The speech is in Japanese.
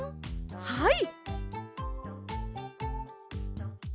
はい！